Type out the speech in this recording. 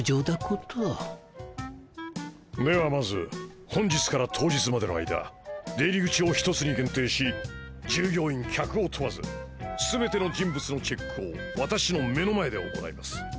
ではまず本日から当日までの間出入り口を１つに限定し従業員客を問わず全ての人物のチェックを私の目の前で行います。